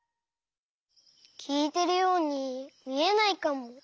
きいてるようにみえないかも。